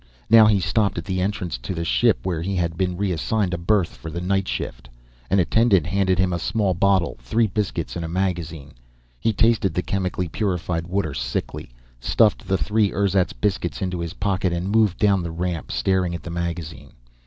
Now he stopped at the entrance to the ship where he had been reassigned a berth for the night shift. An attendant handed him a small bottle, three biscuits, and a magazine. He tasted the chemically purified water sickly, stuffed the three ersatz biscuits into his pocket, and moved down the ramp, staring at the magazine.